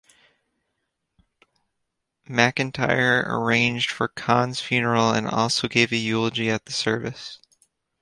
MacIntyre arranged for Conn's funeral and also gave a eulogy at the service.